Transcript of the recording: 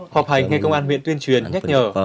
học hành ngay công an huyện tuyên truyền nhắc nhở